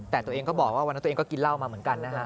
แต่ตัวเองก็บอกว่าวันนั้นตัวเองก็กินเหล้ามาเหมือนกันนะฮะ